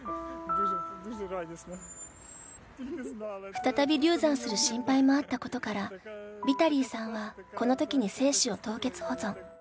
再び流産する心配もあったことからヴィタリーさんはこの時に精子を凍結保存。